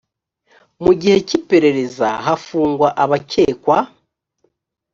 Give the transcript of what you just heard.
mu gihe cyiperereza hafungwa abakekwa